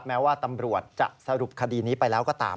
แม้ว่าตำรวจจะสรุปคดีนี้ไปแล้วก็ตาม